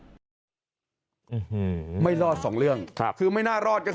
อื้อหือไม่รอดสองเรื่องคือไม่น่ารอด